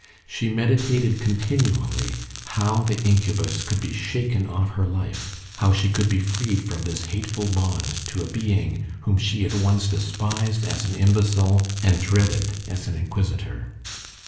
She meditated continually how the incubus could be shaken off her life how she could be freed from this hateful bond to a being whom she at once despised as an imbecile, and dreaded as an inquisitor.